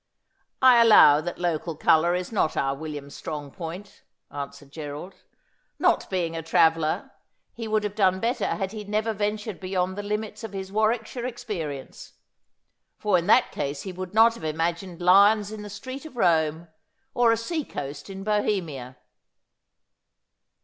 ' I allow that local colour is not our William's strong point,' answered Gerald. ' Not being a traveller, he would have done better had he never ventured beyond the limits of his War wickshire experience ; for in that case he would not have ima gined lions in the streets of Rome, or a sea coast in Bohemia.'